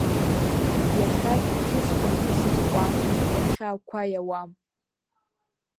Иахьагь сусқәа рхы сызкуам, иахьа ақәа иауам.